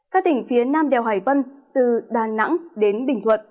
các tỉnh phía nam đèo hải vân từ đà nẵng đến bình thuận